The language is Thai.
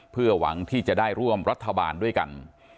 เพื่อหวังที่จะได้ร่วมรัฐบาลด้วยกัน